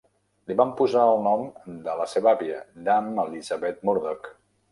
Li van posar el nom de la seva àvia, Dame Elisabeth Murdoch.